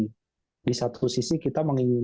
jadi di satu sisi kita menginginkan